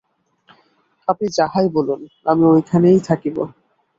আপনি যাহাই বলুন, আমি এইখানেই থাকিব।